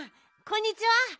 こんにちは。